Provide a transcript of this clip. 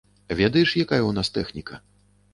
Ведаеш, якая ў нас тэхніка?